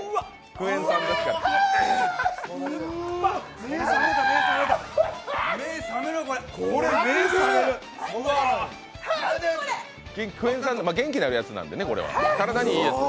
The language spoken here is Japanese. クエン酸元気になるやつなんでね、体にいい。